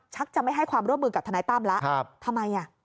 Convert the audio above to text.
จะไม่ให้ความร่วมมือกับทนายตั้มแล้วทำไมอ่ะ